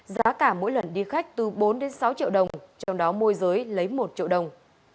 giá cả mỗi lần đi khách từ bốn sáu triệu đồng trong đó môi giới lấy một triệu đồng